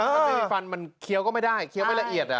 ถ้าตีฟันมันเคี้ยวก็ไม่ได้เคี้ยวไม่ละเอียด